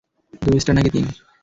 দুই স্টার নাকি তিন?